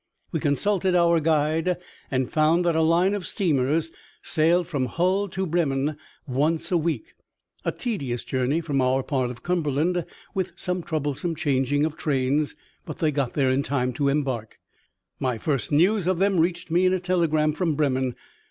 We consulted our guide and found that a line of steamers sailed from Hull to Bremen once a week. A tedious journey from our part of Cumberland, with some troublesome changing of trains, but they got there in time to embark. My first news of them reached me in a telegram from Bremen.